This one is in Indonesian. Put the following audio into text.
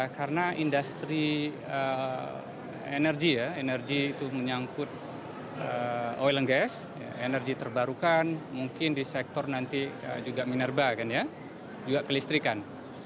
karena industri energi energi itu menyangkut oil and gas energi terbarukan mungkin di sektor nanti juga minerba juga kelistrikan